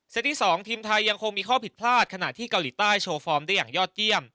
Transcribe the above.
ที่๒ทีมไทยยังคงมีข้อผิดพลาดขณะที่เกาหลีใต้โชว์ฟอร์มได้อย่างยอดเยี่ยม